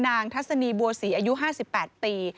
นางทัศนีบัวศรีอายุห้าสิบแปดตี